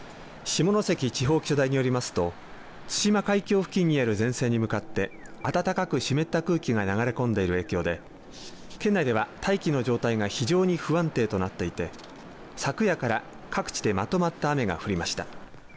下関地方気象台によりますと対馬海峡付近にある前線に向かって暖かく湿った空気が流れ込んでいる影響で県内では大気の状態が非常に不安定となっていて昨夜から各地でまとまった雨が降りました。